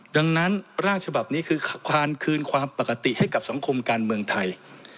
ดังนั้นร่างฉบับนี้คือการคืนความปกติให้กับสังคมการเมืองไทย